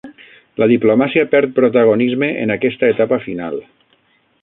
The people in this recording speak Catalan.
La diplomàcia perd protagonisme en aquesta etapa final